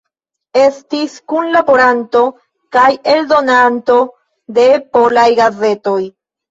Estis kunlaboranto kaj eldonanto de polaj gazetoj.